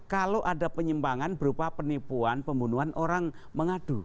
kalau ada penyimpangan berupa penipuan pembunuhan orang mengadu